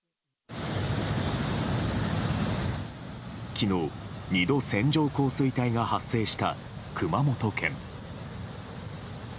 昨日、２度線状降水帯が発生した熊本県。